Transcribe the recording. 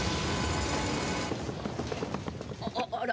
あっあら。